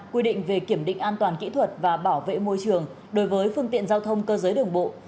quy định về kiểm định an toàn kỹ thuật và bảo vệ môi trường đối với phương tiện giao thông cơ giới đường bộ